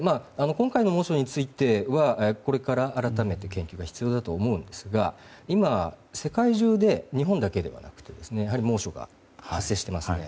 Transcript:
今回の猛暑についてはこれから改めて研究が必要だと思うんですが今、世界中で日本だけではなくて猛暑が発生していますので。